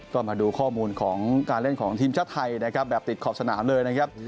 ก็มาดูข้อมูลของการเล่นของทีมชาติไทยนะครับแบบติดขอบสนามเลยนะครับ